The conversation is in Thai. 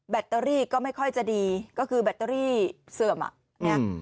ตเตอรี่ก็ไม่ค่อยจะดีก็คือแบตเตอรี่เสื่อมอ่ะเนี่ย